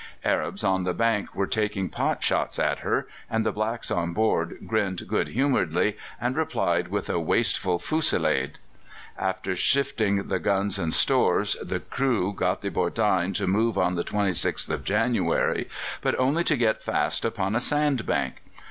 Arabs on the bank were taking pot shots at her, and the blacks on board grinned good humouredly, and replied with a wasteful fusillade. After shifting the guns and stores, the crew got the Bordein to move on the 26th of January, but only to get fast upon a sand bank.